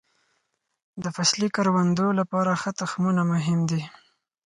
د فصلي کروندو لپاره ښه تخمونه مهم دي.